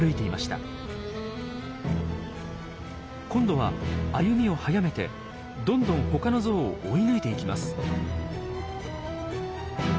今度は歩みを速めてどんどん他のゾウを追い抜いていきます。